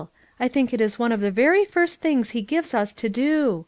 I think it is one of the very first things he gives us to do.